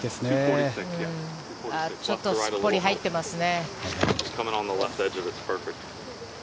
ちょっとすっぽり入っていますね。